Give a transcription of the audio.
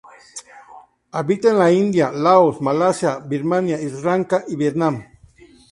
Habita en la India, Laos, Malasia, Birmania, Sri Lanka, y Vietnam.